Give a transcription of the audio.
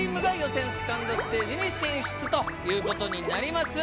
セカンドステージに進出ということになります。